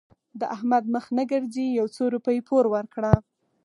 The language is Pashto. د احمد مخ نه ګرځي؛ يو څو روپۍ پور ورکړه.